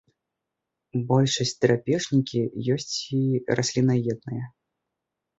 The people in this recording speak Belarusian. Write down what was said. Большасць драпежнікі, ёсць і раслінаедныя.